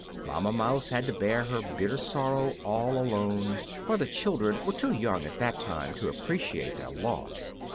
Mamma Mouse had to bear her bitter sorrow all alone, for the children were too young at that time to appreciate their loss.